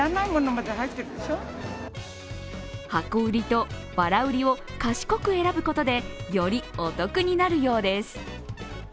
箱売りとばら売りを賢く選ぶことで、よりお得になるようです。